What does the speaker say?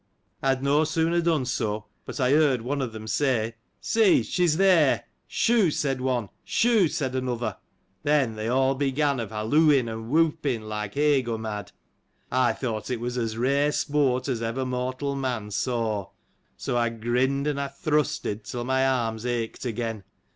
I had no sooner done so, but I heard one of them say :" See, she's there !" Shooh ! said one : shooh ! said another : then, they all began of halloohing and whooping,^ like heigh go mad.* I thought it was as rare sport as ever mortal man saw : so, I grinned, and I thrusted, till my arms ached again.